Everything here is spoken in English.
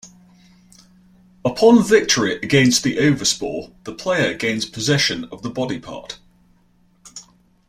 Upon victory against the overspore, the player gains possession of the body part.